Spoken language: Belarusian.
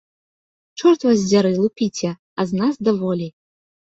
Чорт вас дзяры, лупіце, а з нас даволі!